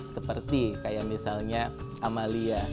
seperti kayak misalnya amalia